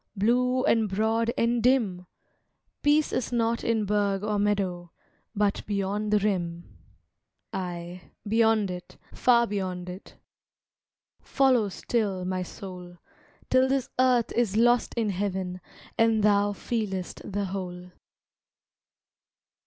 Blue and broad and dim! Peace is not in burgh or meadow, But beyond the rim. Aye, beyond it, far beyond it; Follow still my soul, Till this earth is lost in heaven, And thou feel'st the whole.